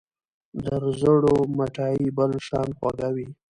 د رځړو مټايي بل شان خوږه وي